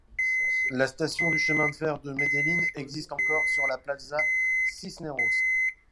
La station du chemin de fer de Medellín existe encore sur la Plaza Cisneros.